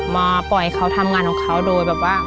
มาปล่อยเขาทำงานของเขาโดยแบบว่า